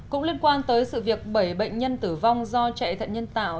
cũng liên quan tới sự việc bảy bệnh nhân tử vong do trại thật nhân tạo